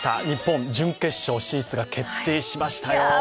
日本、準決勝進出が決定しましたよ。